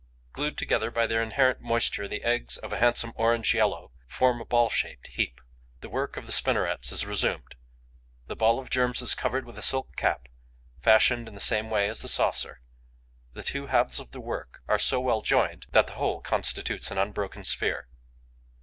Glued together by their inherent moisture, the eggs, of a handsome orange yellow, form a ball shaped heap. The work of the spinnerets is resumed. The ball of germs is covered with a silk cap, fashioned in the same way as the saucer. The two halves of the work are so well joined that the whole constitutes an unbroken sphere.